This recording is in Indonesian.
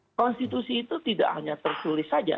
ingat konstitusi itu tidak hanya tersulis saja